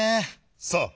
さあ。